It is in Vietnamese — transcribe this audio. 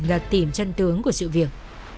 gật tìm chân tướng của sự việc